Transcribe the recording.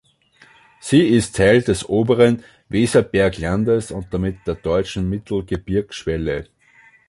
Sie ist Teil des Oberen Weserberglandes und damit der deutschen Mittelgebirgsschwelle.